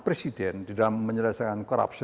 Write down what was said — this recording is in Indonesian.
presiden di dalam menyelesaikan korupsi